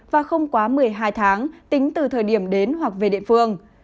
và không quá một mươi hai tháng tính từ thời điểm đến hoặc về địa phương